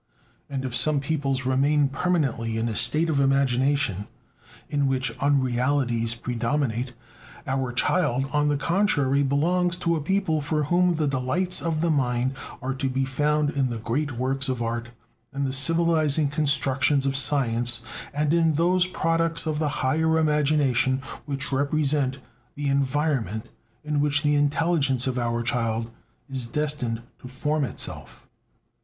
And if some peoples remain permanently in a state of imagination in which unrealities predominate, our child, on the contrary, belongs to a people for whom the delights of the mind are to be found in the great works of art, and the civilizing constructions of science, and in those products of the higher imagination which represent the environment in which the intelligence of our child is destined to form itself.